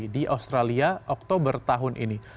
di australia oktober tahun ini